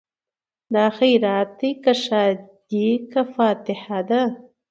دا خیرات دی که ښادي که فاتحه ده